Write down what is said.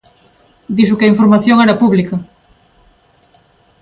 Dixo que a información era pública.